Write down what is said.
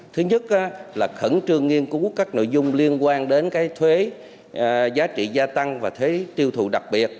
thứ nhất là khẩn trương nghiên cứu các nội dung liên quan đến thuế giá trị gia tăng và thuế tiêu thụ đặc biệt